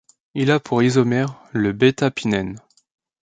Il a pour isomère le β-pinène.